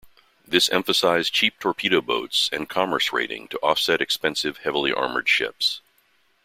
This emphasized cheap torpedo boats and commerce raiding to offset expensive, heavily armoured ships.